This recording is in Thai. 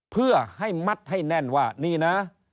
เพื่อให้มัดให้แน่นว่านี่นะ